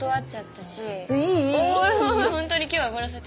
ホントに今日はおごらせて。